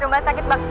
duduk aja lagi bapak